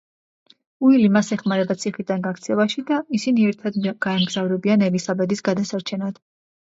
უილი მას ეხმარება ციხიდან გაქცევაში და ისინი ერთად გაემგზავრებიან ელისაბედის გადასარჩენად.